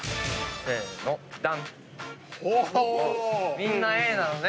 みんなＡなのね。